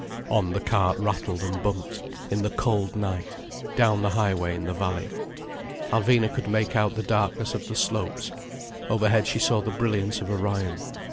On the cart rattled and bumped, in the cold night, down the high way in the valley. Alvina could make out the darkness of the slopes. Overhead she saw the brilliance of Orion.